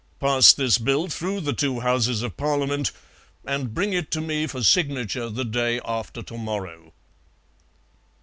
Pass this Bill through the two Houses of Parliament and bring it to me for signature the day after to morrow."